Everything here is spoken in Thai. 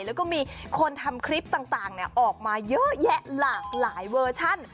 แล้วก็มีคนทำคลิปต่างออกมาเยอะแยะหลากหลายเวอร์ชัน